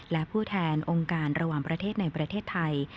และผู้แทนองค์การระหว่างประเทศในประเทศไทย